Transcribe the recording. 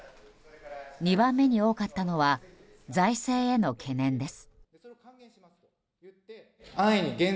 ２番目に多かったのは財政への懸念です。